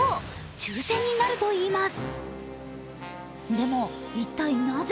抽選になるといいます。